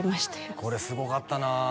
これすごかったな